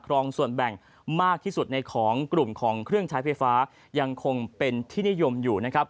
รองส่วนแบ่งมากที่สุดในของกลุ่มของเครื่องใช้ไฟฟ้ายังคงเป็นที่นิยมอยู่นะครับ